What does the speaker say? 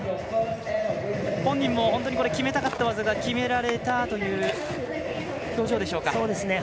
本人も、本当に決めたかった技が決められたという表情でしょうか。